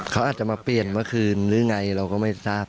เขาอาจจะมาเปลี่ยนเมื่อคืนหรือไงเราก็ไม่ทราบ